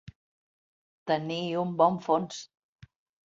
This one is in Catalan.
Tenir un bon fons.